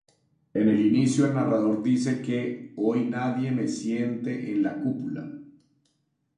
En el inicio el narrador dice que "hoy nadie me siente en la cúpula".